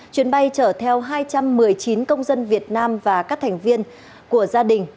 chuyến bay chở theo hai trăm một mươi chín công dân việt nam và các thành viên của gia đình